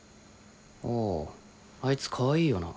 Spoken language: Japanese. あああいつかわいいよな。